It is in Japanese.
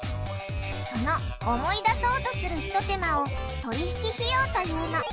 その思い出そうとする一手間を「取引費用」というの。